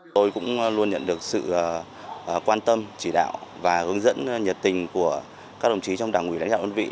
tôi cũng luôn nhận được sự quan tâm chỉ đạo và hướng dẫn nhật tình của các đồng chí trong đảng quỷ lãnh đạo đơn vị